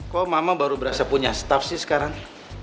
kok mama baru berasa punya staff sih sekarang